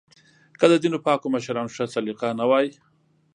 که د ځینو پاکو مشرانو ښه سلیقه نه وای